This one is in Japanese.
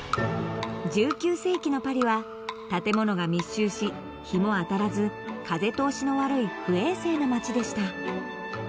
１９世紀のパリは建物が密集し日も当たらず風通しの悪い不衛生な街でした